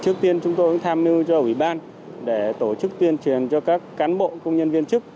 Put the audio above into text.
trước tiên chúng tôi cũng tham mưu cho ủy ban để tổ chức tuyên truyền cho các cán bộ công nhân viên chức